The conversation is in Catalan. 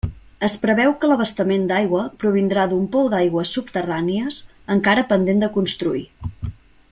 Es preveu que l'abastament d'aigua provindrà d'un pou d'aigües subterrànies encara pendent de construir.